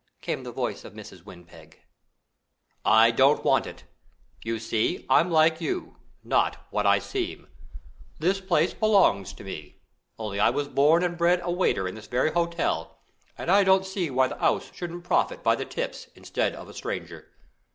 came the voice of Mrs. Windpeg. "I don't want it. You see, I'm like you not what I seem. This place belongs to me, only I was born and bred a waiter in this very hotel, and I don't see why the 'ouse shouldn't profit by the tips instead of a stranger.